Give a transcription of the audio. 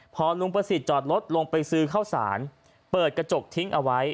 พอลุงประสิทธิ์จอดรถลงไปซื้อข้าวสารเปิดกระจกทิ้งเอาไว้